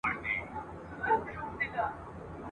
ولاړمه، په خوب کي دُردانې راپسي مه ګوره..